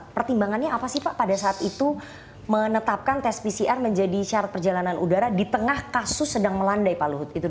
pertimbangannya apa sih pak pada saat itu menetapkan tes pcr menjadi syarat perjalanan udara di tengah kasus sedang melandai pak luhut